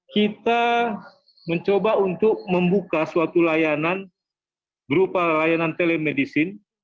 kita mencoba untuk membuka suatu layanan berupa layanan telemedicine